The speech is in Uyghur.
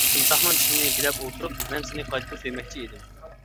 تىمساھنىڭ چىشىنى بىلەپ ئولتۇرۇپ، مەن سېنى قايتىدىن سۆيمەكچى ئىدىم.